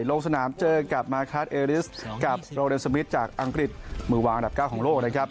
ลงสนามเจอกับมาคาร์ดเอริสกับโรเดนสมิทจากอังกฤษมือวางอันดับ๙ของโลกนะครับ